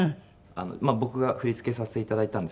僕が振り付けさせて頂いたんですけど。